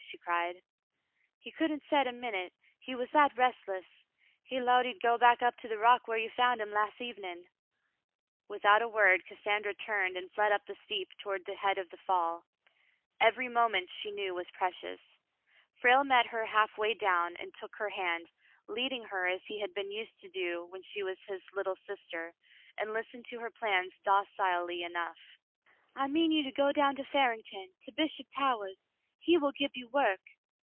^^" she cried. "He couldn't set a minute, he was that restless. He 'lowed he'd go up to the rock whar you found him las' evenm . Without a word, Cassandra turned and fled up the steep toward the head of the fall. Every moment, she knew, was precious. Frale met her halfway down and took her hand, leading her as he had been used to do when she was his "little sister," and listened to her plans docilely enough. "I mean you to go down to Farington, to Bishop Towahs'. He will give you work."